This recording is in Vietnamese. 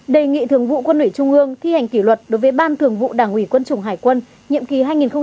đề nghị thường vụ quân ủy trung ương thi hành kỷ luật đối với ban thường vụ đảng ủy quân chủng hải quân nhiệm kỳ hai nghìn một mươi năm hai nghìn hai mươi